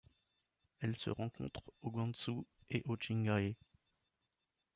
Elle se rencontre au Gansu et au Qinghai.